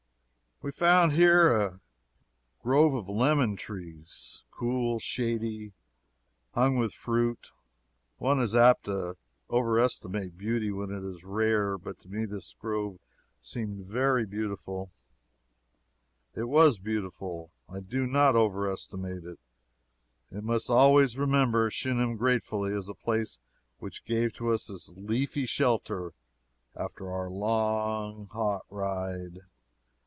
We found here a grove of lemon trees cool, shady, hung with fruit. One is apt to overestimate beauty when it is rare, but to me this grove seemed very beautiful. It was beautiful. I do not overestimate it. I must always remember Shunem gratefully, as a place which gave to us this leafy shelter after our long, hot ride.